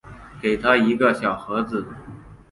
给他一个小盒子